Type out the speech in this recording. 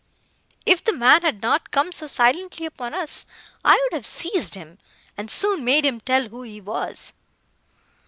If the man had not come so silently upon us, I would have seized him, and soon made him tell who he was."